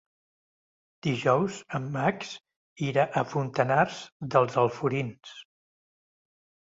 Dijous en Max irà a Fontanars dels Alforins.